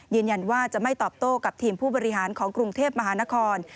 ยืนยันว่าจะไม่ตอบโต้กับทีมผู้บริหารของกรุงเทพมหานคร